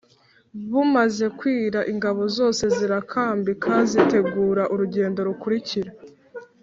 Bumaze kwira ingabo zose zirakambika zitegura urugendo rukurikira